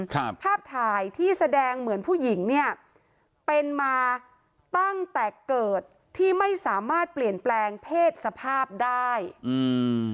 ภาพถ่ายที่แสดงเหมือนผู้หญิงเนี้ยเป็นมาตั้งแต่เกิดที่ไม่สามารถเปลี่ยนแปลงเพศสภาพได้อืม